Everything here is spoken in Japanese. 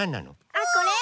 あっこれ？